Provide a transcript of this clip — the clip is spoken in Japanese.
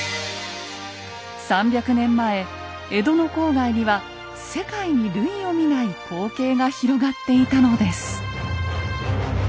３００年前江戸の郊外には世界に類を見ない光景が広がっていたのです。